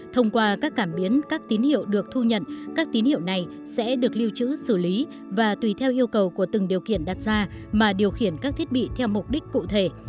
thông qua các cảm biến các tín hiệu được thu nhận các tín hiệu này sẽ được lưu trữ xử lý và tùy theo yêu cầu của từng điều kiện đặt ra mà điều khiển các thiết bị theo mục đích cụ thể